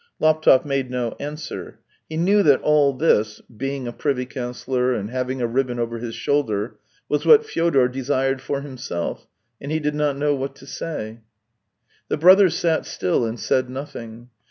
Laptev made no answer; he knew that all this — being a privy councillor and having a ribbon over his shoulder — was what Fyodor desired for himself, and he did not know what to say. The brothers sat still and said nothing.